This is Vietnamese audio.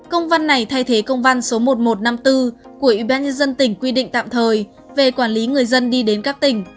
công văn này thay thế công văn số một nghìn một trăm năm mươi bốn của ủy ban nhân dân tỉnh quy định tạm thời về quản lý người dân đi đến các tỉnh